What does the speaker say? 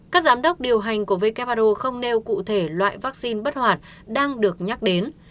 các giám đốc điều hành của who không nêu cụ thể loại vaccine bất hoạt đang được nhắc đến